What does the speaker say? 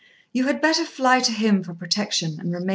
You had better fly to him for protection, and remain in hiding."